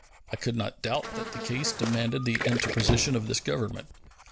I could not doubt that the case demanded the interposition of this Government.